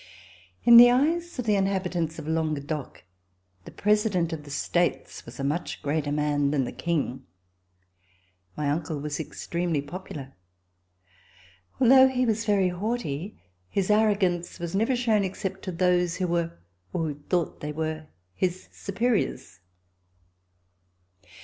In the eyes of the inhabitants of Languedoc the President of the States was a much greater man than the King. My uncle was extremely popular. Although he was very haughty, his arrogance was never shown except to those who were, or who thought they were, his superiors.